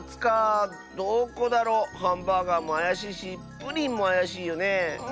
どこだろう？ハンバーガーもあやしいしプリンもあやしいよねえ。